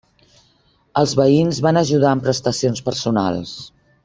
Els veïns van ajudar amb prestacions personals.